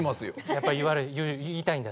やっぱ言いたいんだ？